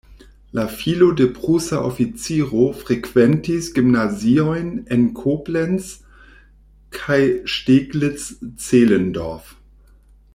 La filo de prusa oficiro frekventis gimnaziojn en Koblenz kaj Steglitz-Zehlendorf.